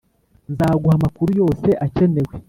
nzaguha amakuru yose akenewe.